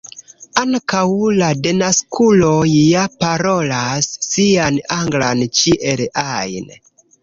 ankaŭ la denaskuloj ja parolas sian anglan ĉiel ajn.